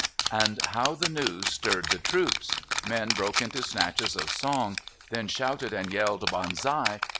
And how the news stirred the troops! Men broke into snatches of song, then shouted and yelled "Banzai!"